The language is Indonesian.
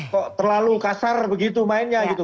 kok terlalu kasar begitu mainnya gitu